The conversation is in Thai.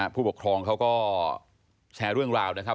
ผู้ปกครองเขาก็แชร์เรื่องราวนะครับ